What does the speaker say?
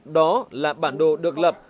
đó là bản đồ được lập